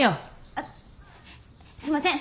あすんません。